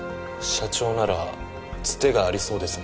社長ならツテがありそうですね。